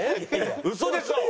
ウソでしょ！